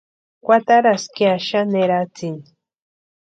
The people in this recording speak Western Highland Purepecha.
Kwataraska ya xani eratsini.